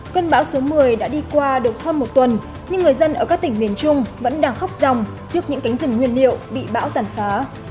cơn bão số một mươi đã đi qua được hơn một tuần nhưng người dân ở các tỉnh miền trung vẫn đang khóc dòng trước những cánh rừng nguyên liệu bị bão tàn phá